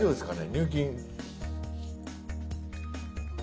入金。